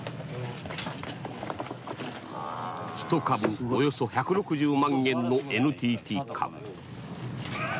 １株およそ１６０万円のＮＴＴ株。